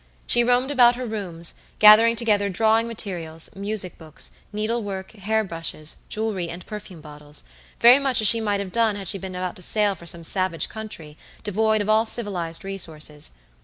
She roamed about her rooms, gathering together drawing materials, music books, needle work, hair brushes, jewelry, and perfume bottles, very much as she might have done had she been about to sail for some savage country, devoid of all civilized resources.